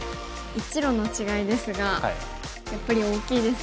１路の違いですがやっぱり大きいですよね